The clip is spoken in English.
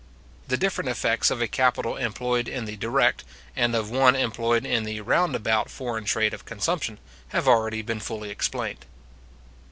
The different effects of a capital employed in the direct, and of one employed in the round about foreign trade of consumption, have already been fully explained.